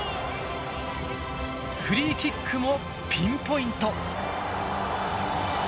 フリーキックもピンポイント。